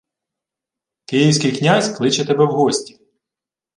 — Київський князь кличе тебе в гості.